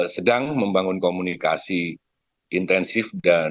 sedang membangun komunikasi intensif dan